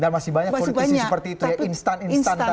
masih banyak politisi seperti itu ya instan instan tadi